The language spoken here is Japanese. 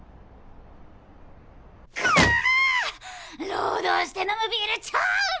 労働して飲むビール超うめ！